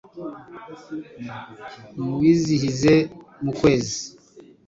muwizihize mu kwezi